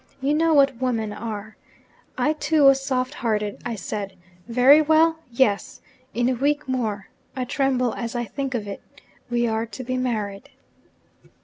You know what women are. I too was soft hearted I said, Very well: yes! In a week more (I tremble as I think of it) we are to be married.'